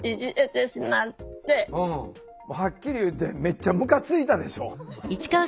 はっきり言ってめっちゃムカついたでしょ？